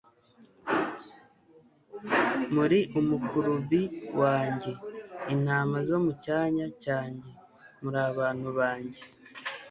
"Muri umukurubi wanjye, intama zo mu cyanya cyanjye muri abantu banjye,